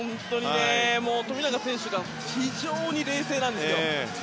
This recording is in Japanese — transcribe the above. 富永選手が非常に冷静なんですよ。